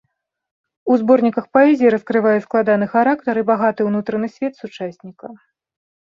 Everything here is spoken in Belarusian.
У зборніках паэзіі раскрывае складаны характар і багаты ўнутраны свет сучасніка.